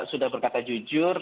sudah berkata jujur